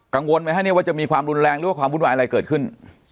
กังวลไหมคะเนี่ยว่าจะมีความรุนแรงหรือว่าความวุ่นวายอะไรเกิดขึ้น